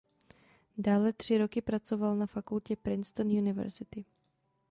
Dále tři roky pracoval na fakultě Princeton University.